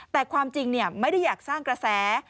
แต่ความจริงไม่ได้อยากสร้างกระแส